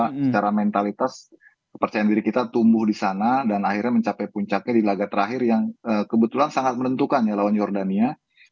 karena secara mentalitas kepercayaan diri kita tumbuh di sana dan akhirnya mencapai puncaknya di laga terakhir yang kebetulan sangat menentukan ya lawan jordania